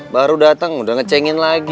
baru datang udah ngecengin lagi